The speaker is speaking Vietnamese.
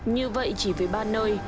như vậy chỉ với ba nơi